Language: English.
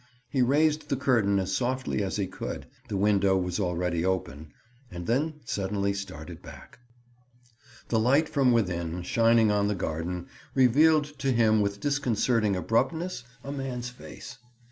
He raised the curtain as softly as he could—the window was already open—and then suddenly started back. The light from within, shining on the garden, revealed to him with disconcerting abruptness a man's face.